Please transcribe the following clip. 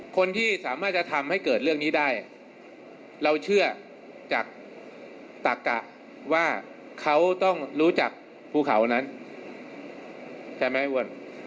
คนที่สามารถจะทำให้เกิดเรื่องนี้ได้เราเชื่อจากตักกะว่าเขาต้องรู้จักภูเขานั้นใช่ไหมวน